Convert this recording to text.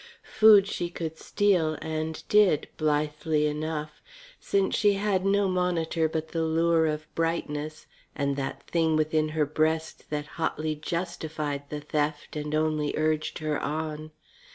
Food she could steal and did, blithely enough, since she had no monitor but the lure of brightness and that Thing within her breast that hotly justified the theft and only urged her on.